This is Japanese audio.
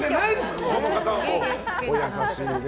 お優しいね。